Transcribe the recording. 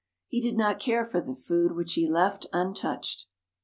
He did not care for the food which he left untouched.